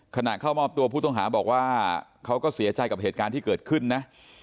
ขณะเข้ามอบตัวผู้ต้องหาบอกว่าเขาก็เสียใจกับเหตุการณ์ที่เกิดขึ้นนะ